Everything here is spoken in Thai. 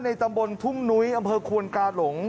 ตำบลทุ่งนุ้ยอำเภอควนกาหลง